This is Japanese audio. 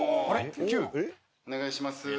お願いします。